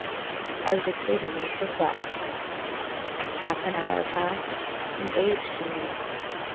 I was exceedingly perplexed. Half an hour passed, an age to me.